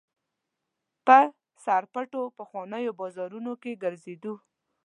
په سرپټو پخوانیو بازارونو کې وګرځېدو.